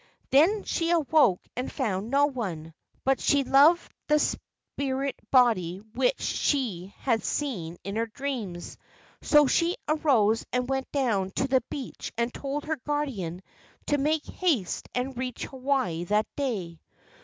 Then she awoke and found no one, but she loved that spirit body which she had seen in her dreams, so she arose and went down to the beach and told her guardian to make haste and reach Hawaii that day.